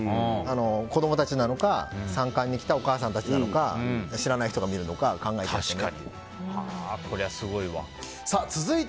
子供たちなのか参観に来たお母さんたちなのか知らない人が見るのか考えてねって。